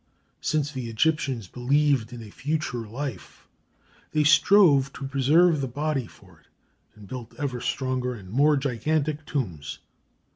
Since the Egyptians believed in a future life they strove to preserve the body for it, and built ever stronger and more gigantic tombs.